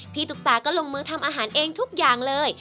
ตุ๊กตาก็ลงมือทำอาหารเองทุกอย่างเลย